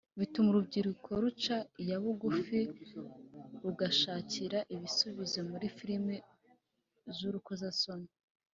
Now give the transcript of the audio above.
bituma urubyiruko ruca iya bugufi rugashakira ibisubizo muri filimi z’urukozasoni